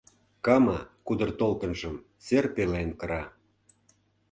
Кама кудыр толкынжым Сер пелен кыра.